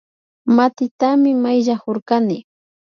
Matitami mayllanakurkani